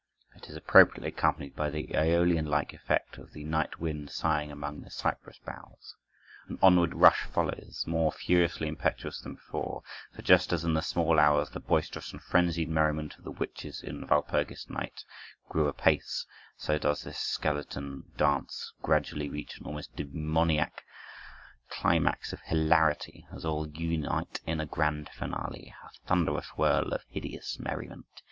It is appropriately accompanied by the Æolian like effect of the night wind sighing among the cypress boughs. An onward rush follows, more furiously impetuous than before, for just as in the small hours the boisterous and frenzied merriment of the witches in "Walpurgis Night" grew apace, so does this skeleton dance gradually reach an almost demoniac climax of hilarity, as all unite in a grand finale, a thunderous whirl of hideous merriment.